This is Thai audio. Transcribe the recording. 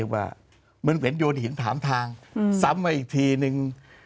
มันเหมือนหินถามทางสำมาอีกทีนึง